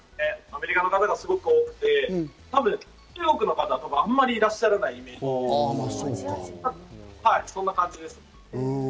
アメリカの方がすごく多くて、中国の方とかあまりいらっしゃらないイメージです。